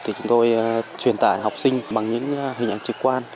thì chúng tôi truyền tải học sinh bằng những hình ảnh trực quan